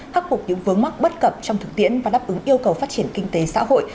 khắc phục những vướng mắc bất cập trong thực tiễn và đáp ứng yêu cầu phát triển kinh tế xã hội